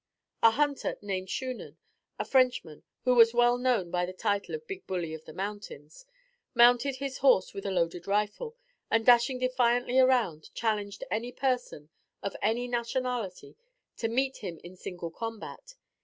"A hunter, named Shunan, a Frenchman, who was well known by the title of the 'big bully of the mountains,' mounted his horse with a loaded rifle, and dashing defiantly around, challenged any person, of any nationality, to meet him in single combat.